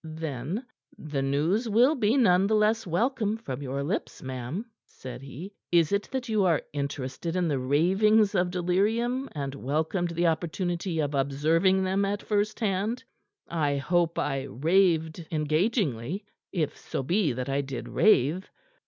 Then: "The news will be none the less welcome from your lips, ma'am," said he. "Is it that you are interested in the ravings of delirium, and welcomed the opportunity of observing them at first hand? I hope I raved engagingly, if so be that I did rave.